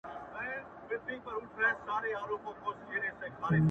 دا ده کوچي ځوانيمرگې نجلۍ تول دی،